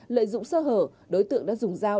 lợi dụng sơ hở đối tượng đã dùng giao